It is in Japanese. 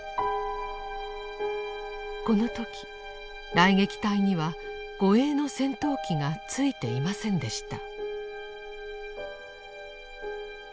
この時雷撃隊には護衛の戦闘機が付いていませんでした。